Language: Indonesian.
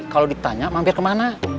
kalau ditanya mampir kemana